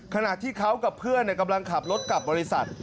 ขณะที่เขากับเพื่อนกำลังขับรถกลับบริษัท